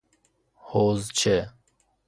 حوضچه